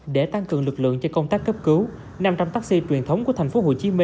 để tăng cường lực lượng cho công tác cấp cứu năm trăm linh taxi truyền thống của tp hcm